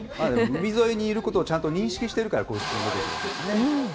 海沿いにいることをちゃんと認識しているから、こんなこと言うんですね。